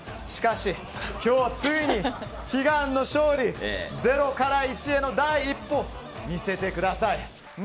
しかし今日ついに悲願の勝利０から１への第一歩見せてください。